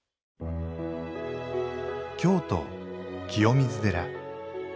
京都・清水寺。